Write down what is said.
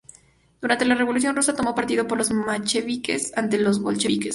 Durante la revolución rusa tomó partido por los mencheviques ante los bolcheviques.